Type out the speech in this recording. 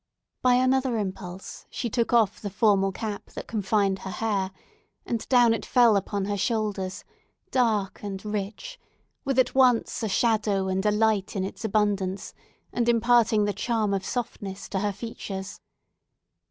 By another impulse, she took off the formal cap that confined her hair, and down it fell upon her shoulders, dark and rich, with at once a shadow and a light in its abundance, and imparting the charm of softness to her features.